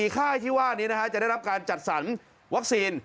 ค่ายที่ว่านี้จะได้รับการจัดสรรวัคซีน